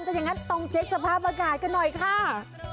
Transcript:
ถ้าอย่างนั้นต้องเช็คสภาพอากาศกันหน่อยค่ะ